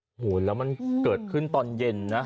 โอ้โหแล้วมันเกิดขึ้นตอนเย็นนะ